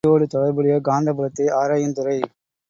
புவியோடு தொடர்புடைய காந்தப் புலத்தை ஆராயுந் துறை.